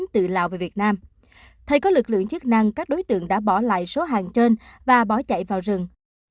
từ lào về việt nam thấy có lực lượng chức năng các đối tượng đã bỏ lại số hàng trên và bỏ chạy vào rừng